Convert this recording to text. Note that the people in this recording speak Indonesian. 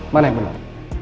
mana yang benar